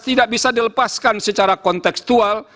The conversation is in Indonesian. tidak bisa dilepaskan secara konteksual